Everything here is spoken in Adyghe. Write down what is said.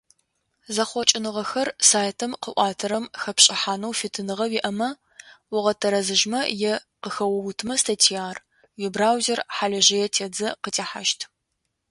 Зэхъокӏыныгъэхэр сайтым къыӏуатэрэм хэпшӏыхьанэу фитыныгъэ уиӏэмэ, огъэтэрэзыжьмэ е къыхэоутымэ статьяр, уибраузер хьалыжъые тедзэ къытехьащт.